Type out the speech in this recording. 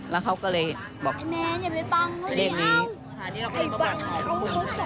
แล้วเขาก็เลยบอกเลขนี้